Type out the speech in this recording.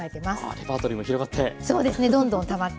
レパートリーも広がって。